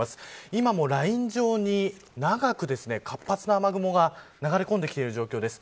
今もライン状に、長く活発な雨雲が流れ込んできている状況です。